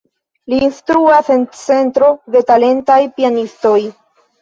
Li instruas en centro de talentaj pianistoj.